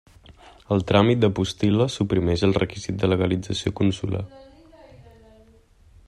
El tràmit de postil·la suprimeix el requisit de legalització consular.